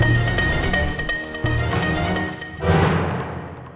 kalau misalkan istrinya garam jadi pegang udah tau ya pake heels